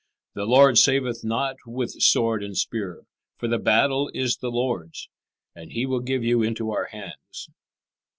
"The Lord saveth not with sword and spear; for the battle is the Lord's, and He will give you into our hands."